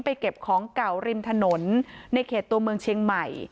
เก็บของเก่าริมถนนในเขตตัวเมืองเชียงใหม่